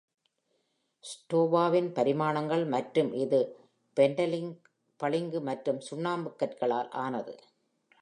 ஸ்டோவாவின் பரிமாணங்கள் மற்றும் இது பென்டலிக் பளிங்கு மற்றும் சுண்ணாம்புக் கற்களால் ஆனது.